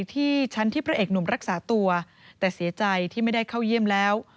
ที่ชั้นที่พระเอกหนุ่มรักษาตัวแต่เสียใจที่ไม่ได้เข้าเยี่ยมแล้ว